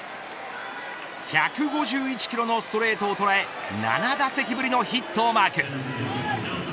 １５１キロのストレートを捉え７打席ぶりのヒットをマーク。